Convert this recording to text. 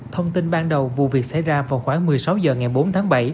thông tin ban đầu vụ việc xảy ra vào khoảng một mươi sáu h ngày bốn tháng bảy